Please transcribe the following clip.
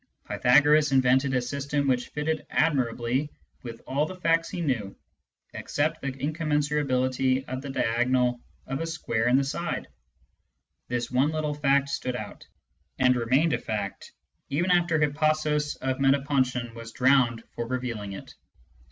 Pythagoras invented a system which fitted admirably with all the facts he knew, except the incommensurability of the diagonal of a square and the side ; this one little fact stood out, and remained a fact even after Hippasos of Metapontion was drowned for revealing it.